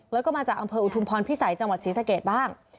แล้วก็มาจากอำเภออุทุมพรพิสัยจังหวัดศรีสะเกดบ้าง